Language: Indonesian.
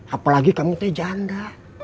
apalagi kalau kamu tuh janda